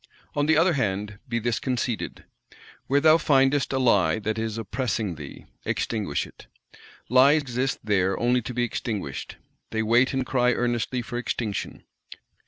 On the other hand, be this conceded: Where thou findest a Lie that is oppressing thee, extinguish it. Lies exist there only to be extinguished; they wait and cry earnestly for extinction.